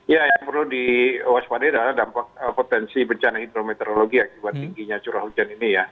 ya yang perlu diwaspadai adalah dampak potensi bencana hidrometeorologi akibat tingginya curah hujan ini ya